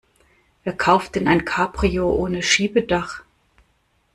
Wer kauft denn ein Cabrio ohne Schiebedach?